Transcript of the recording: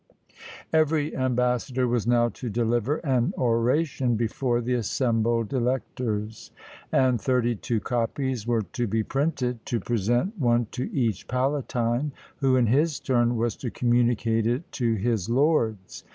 Every ambassador was now to deliver an oration before the assembled electors, and thirty two copies were to be printed, to present one to each palatine, who in his turn was to communicate it to his lords.